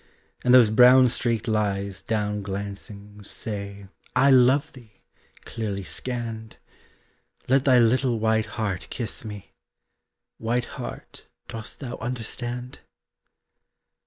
And those brown streaked lies down glancing Say "I love thee!" clearly scanned, Let thy little white heart kiss me White heart, dost thou understand?